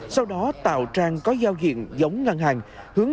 sau đó tạo trang có giao diện giống ngân hàng